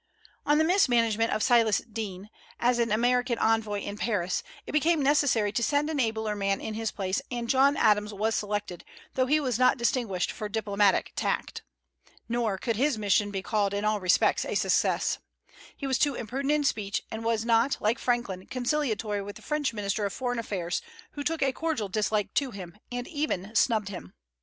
On the mismanagement of Silas Deane, as an American envoy in Paris, it became necessary to send an abler man in his place, and John Adams was selected, though he was not distinguished for diplomatic tact. Nor could his mission be called in all respects a success. He was too imprudent in speech, and was not, like Franklin, conciliatory with the French minister of Foreign Affairs, who took a cordial dislike to him, and even snubbed him.